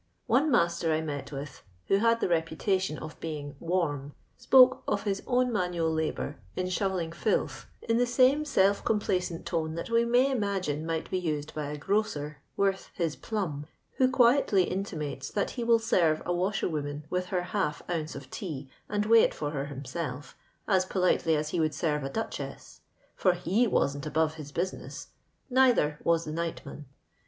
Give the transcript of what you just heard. One master I met , with, who had the reputation of being "warm," spoke of his own manual labour in shovelling filth in tho same self complacent tone that wo may imagine might be used by a grocer, worth his "plum,"' who quietly intimates that he will sen'e a wtLshenvonian with her half ounce of tea, and weigh it for her himself, as politely as he wouM sene a ducliess ; for he wasn't above his business: neither wa3 tho nightman.